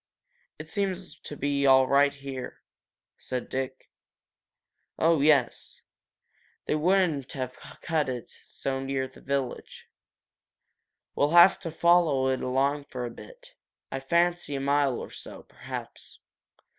"It seems to be all right here," said Dick. "Oh, yes. They wouldn't have cut it so near the village," said Jack. "We'll have to follow it along for a bit, I fancy a mile or so, perhaps.